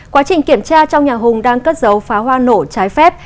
quá trình kiểm tra trong nhà hùng đang cất giấu phá hoa nổ trái phép